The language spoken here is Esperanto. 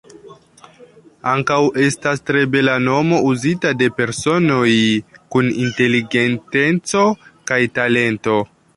Ankaŭ estas tre bela nomo, uzita de personoj kun inteligenteco kaj talento.